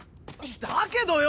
だけどよ！